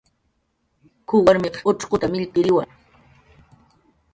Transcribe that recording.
"K""uw warmiq p'uchquta millkiriwa "